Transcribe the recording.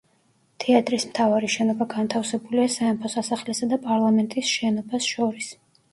თეატრის მთავარი შენობა განთავსებულია სამეფო სასახლესა და პარლამენტის შენობას შორის.